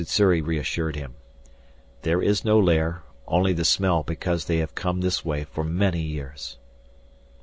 Sssuri reassured him. "There is no lair, only the smell because they have come this way for many years."